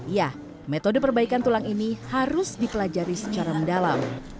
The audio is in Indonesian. ya metode perbaikan tulang ini harus dipelajari secara mendalam